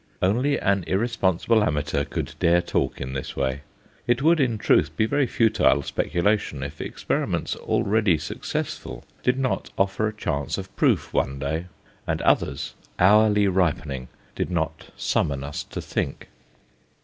Only an irresponsible amateur could dare talk in this way. It would, in truth, be very futile speculation if experiments already successful did not offer a chance of proof one day, and others, hourly ripening, did not summon us to think.